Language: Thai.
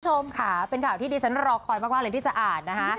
คุณผู้ชมค่ะเป็นข่าวที่ดิฉันรอคอยมากเลยที่จะอ่านนะคะ